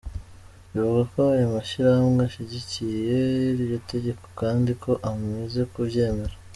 Bivugwa ko ayo mashirahamwe ashigikiye iryo tegeko, kandi ko amaze kuvyemera.